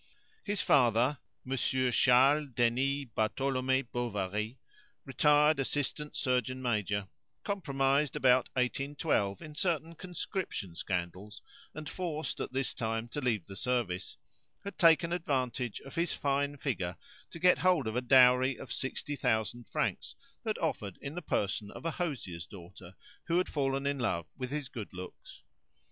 His father, Monsieur Charles Denis Bartolome Bovary, retired assistant surgeon major, compromised about 1812 in certain conscription scandals, and forced at this time to leave the service, had taken advantage of his fine figure to get hold of a dowry of sixty thousand francs that offered in the person of a hosier's daughter who had fallen in love with his good looks.